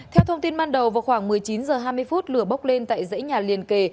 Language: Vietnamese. theo thông tin ban đầu vào khoảng một mươi chín h hai mươi phút lửa bốc lên tại dãy nhà liền kề